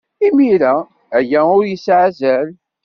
Imir-a, aya ur yesɛi azal.